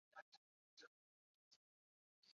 首府斯法克斯。